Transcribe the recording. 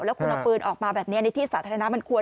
แล้วคุณเอาปืนออกมาแบบนี้ในที่สาธารณะมันควร